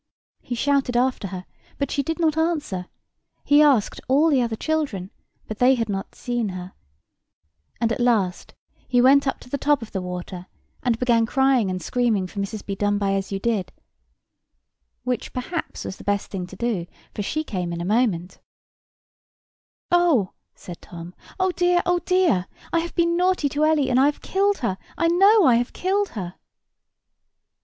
He shouted after her, but she did not answer; he asked all the other children, but they had not seen her; and at last he went up to the top of the water and began crying and screaming for Mrs. Bedonebyasyoudid—which perhaps was the best thing to do—for she came in a moment. [Picture: Tom crying] "Oh!" said Tom. "Oh dear, oh dear! I have been naughty to Ellie, and I have killed her—I know I have killed her."